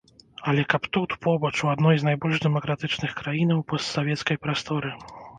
Але каб тут, побач, у адной з найбольш дэмакратычных краінаў постсавецкай прасторы!